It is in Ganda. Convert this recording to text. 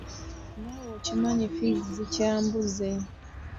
Naawe okimanyi ffiizi zikyambuze.